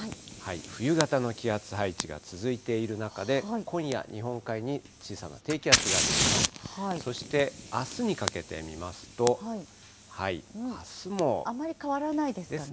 冬型の気圧配置が続いている中で、今夜、日本海に小さな低気圧が出来ます。